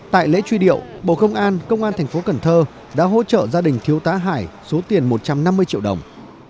tại lễ truy điệu bộ công an công an thành phố cần thơ đã hỗ trợ gia đình thiếu tá hải số tiền một trăm năm mươi triệu đồng